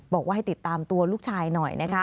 บอกว่าให้ติดตามตัวลูกชายหน่อยนะคะ